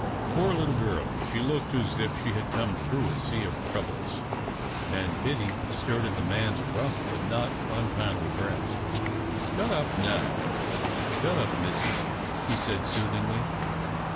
Poor little girl! She looked as if she had come through a sea of troubles, and pity stirred in the man's rough but not unkindly breast. "Shut up now, shut up, missy," he said, soothingly.